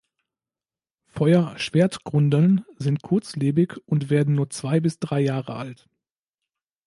Feuer-Schwertgrundeln sind kurzlebig und werden nur zwei bis drei Jahre alt.